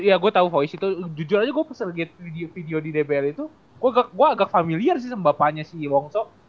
iya gue tau voice itu jujur aja gue pas lagi video di dbl itu gue agak familiar sih sama bapaknya si wongso